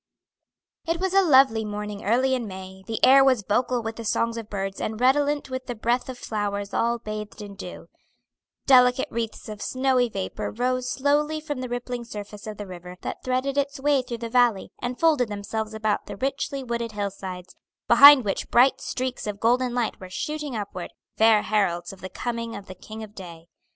It was a lovely morning early in May; the air was vocal with the songs of birds and redolent with the breath of flowers all bathed in dew; delicate wreaths of snowy vapor rose slowly from the rippling surface of the river that threaded its way through the valley, and folded themselves about the richly wooded hill sides, behind which bright streaks of golden light were shooting upward, fair heralds of the coming of the king of day.